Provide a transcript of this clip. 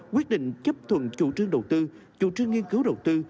quyết định chấp thuận chủ trương đầu tư chủ trương nghiên cứu đầu tư